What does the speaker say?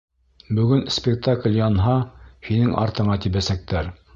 Бөгөн спектакль янһа, һинең артыңа тибәсәктәр!